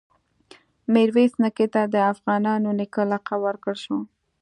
میرویس نیکه ته د “افغانانو نیکه” لقب ورکړل شو.